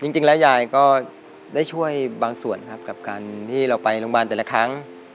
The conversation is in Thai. จริงแล้วยายก็ได้ช่วยบางส่วนครับกับการที่เราไปโรงพยาบาลแต่ละครั้ง